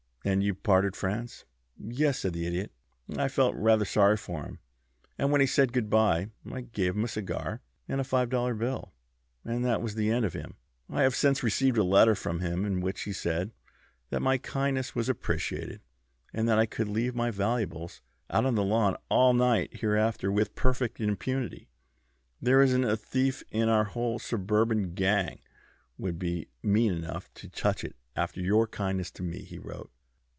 "And you parted friends?" "Yes," said the Idiot. "I felt rather sorry for him, and when he said good bye I gave him a cigar and a five dollar bill, and that was the end of him. I have since received a letter from him in which he said that my kindness was appreciated, and that I could leave my valuables out on the lawn all night hereafter with perfect impunity. 'There isn't a thief in our whole suburban gang would be mean enough to touch it after your kindness to me,' he wrote."